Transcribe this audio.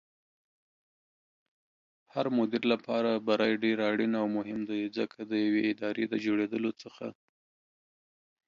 هرمدير لپاره بری ډېر اړين او مهم دی ځکه ديوې ادارې دجوړېدلو څخه